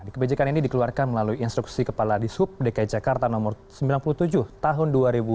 kebajikan ini dikeluarkan melalui instruksi kepala di sub dki jakarta nomor sembilan puluh tujuh tahun dua ribu sembilan belas